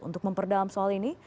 untuk memperdalam soal ini